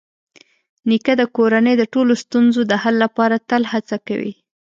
نیکه د کورنۍ د ټولو ستونزو د حل لپاره تل هڅه کوي.